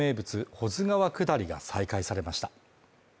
保津川下りが再開されました。